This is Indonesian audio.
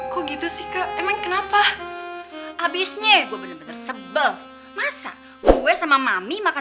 kok gitu sih emang kenapa habisnya bener bener sebel masa gue sama mami makan